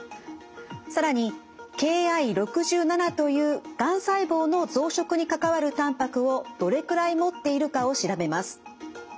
更にＫｉ６７というがん細胞の増殖に関わるたんぱくをどれくらい持っているかを調べます。